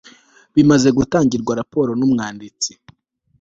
bimaze gutangirwa raporo n umwanditsi